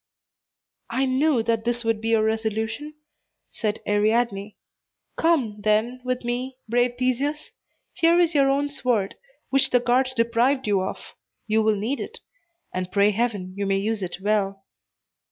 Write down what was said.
"I knew that this would be your resolution," said Ariadne. "Come, then, with me, brave Theseus. Here is your own sword, which the guards deprived you of. You will need it; and pray Heaven you may use it well."